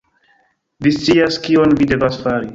Vi scias kion vi devas fari